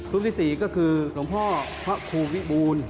รูปที่สี่ก็คือหลวงพ่อพระครูวิบูล